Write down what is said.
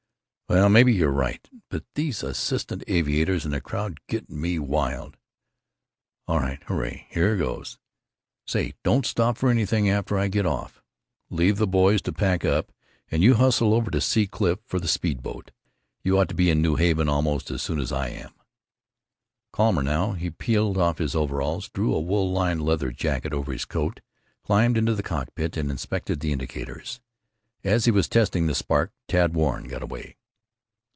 "Well, maybe you're right. But these assistant aviators in the crowd get me wild.... All right? Hoorray. Here goes.... Say, don't stop for anything after I get off. Leave the boys to pack up, and you hustle over to Sea Cliff for the speed boat. You ought to be in New Haven almost as soon as I am." Calmer now, he peeled off his overalls, drew a wool lined leather jacket over his coat, climbed into the cockpit, and inspected the indicators. As he was testing the spark Tad Warren got away.